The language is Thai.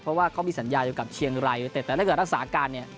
เพราะว่าเขามีสัญญาอยู่กับเชียงรายยูเต็ดแต่ถ้าเกิดรักษาการเนี่ย